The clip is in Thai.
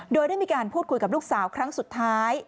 โดยได้มีการพูดคุยกับลูกสาวครั้งสุดท้าย